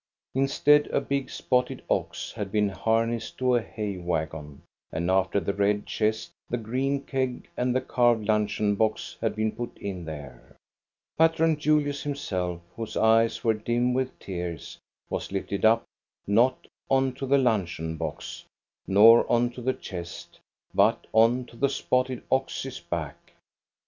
Instead, a big spotted ox had been harnessed to a hay wagon, and after the red chest, the green keg, and the carved luncheon box had been put in there. Patron Julius himself, whose eyes were dim with tears, was lifted up, not on to the luncheon box, nor on to the chest, but on to the spotted ox's back.